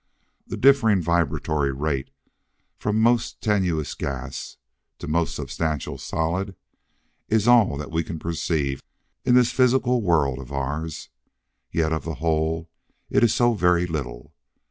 The differing vibratory rate from most tenuous gas to most substantial solid is all that we can perceive in this physical world of ours. Yet of the whole, it is so very little!